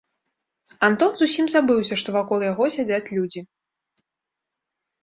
Антон зусім забыўся, што вакол яго сядзяць людзі.